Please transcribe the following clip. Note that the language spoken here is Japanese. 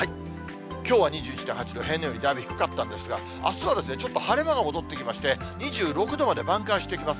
きょうは２１．８度、平年よりだいぶ低かったんですが、あすはですね、ちょっと晴れ間が戻ってきまして、２６度まで挽回してきます。